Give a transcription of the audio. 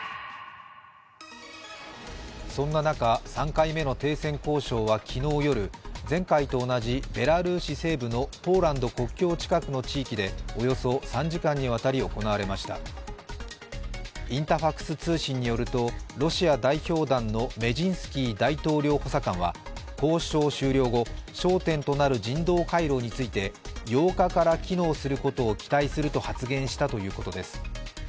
そんな中、３回目の停戦交渉は昨日夜、前回と同じベラルーシ西部のポーランド国境近くの地域でおよそ３時間にわたり行われましたインタファクス通信によるとロシア代表団のメジンスキー大統領補佐官は交渉終了後、焦点となる人道回廊について８日から機能することを期待すると発言したということです。